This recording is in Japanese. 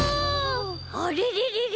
あれれれれ？